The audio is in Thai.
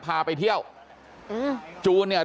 กลับไปลองกลับ